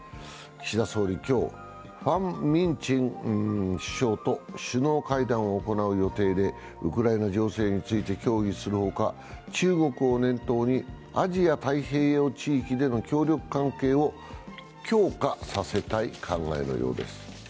岸田総理は今日、ファム・ミン・チン首相と首脳会談を行う予定で、ウクライナ情勢について協議するほか、中国を念頭に味ありました太平洋地域での協力関係を強化させたい考えのようです。